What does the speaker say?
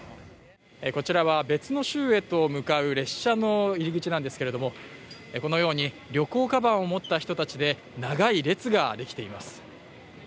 こちらは別の州へと向かう列車の入り口なんですけれどもこのように旅行鞄を持った人たちで長い列ができています。